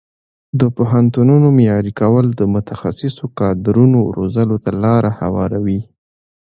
د پوهنتونونو معیاري کول د متخصصو کادرونو روزلو ته لاره هواروي.